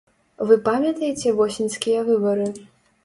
Вы памятаеце восеньскія выбары?